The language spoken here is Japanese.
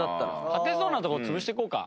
勝てそうなとこ潰していこうか。